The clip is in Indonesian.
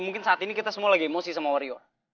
mungkin saat ini kita semua lagi emosi sama rio